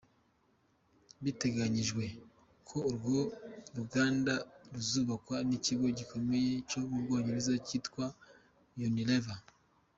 Biteganyijwe ko urwo ruganda ruzubakwa n’ikigo gikomeye cyo mu Bwongereza cyitwa yunileva.